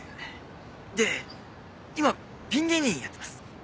で今ピン芸人やってます。